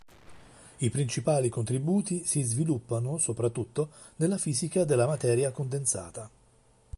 I principali contributi si sviluppano soprattutto nella fisica della materia condensata.